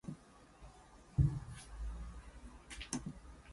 The Skyhawks were picked to finish in sixth place.